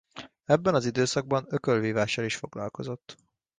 Ebben az időszakban ökölvívással is foglalkozott.